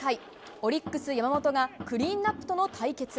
オリックス山本がクリーンアップとの対決。